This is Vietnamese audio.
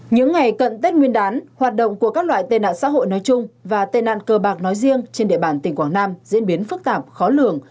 những ngày cận tết nguyên đán hoạt động của các loại tên nạn xã hội nói chung và tên nạn cơ bạc nói riêng trên địa bàn tỉnh quảng nam diễn biến phức tạp khó lường